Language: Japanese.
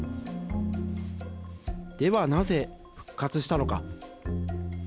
では、なぜ復活したのか。